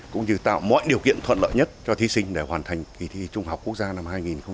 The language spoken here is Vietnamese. cũng như tạo mọi điều kiện thuận lợi nhất cho thí sinh để hoàn thành kỳ thi trung học quốc gia năm hai nghìn hai mươi